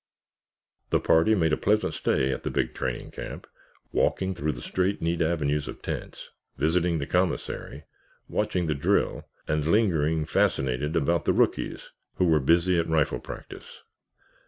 The party made a pleasant stay at the big training camp, walking through the straight, neat avenues of tents, visiting the commissary, watching the drill, and lingering, fascinated, about the rookies who were busy at rifle practice.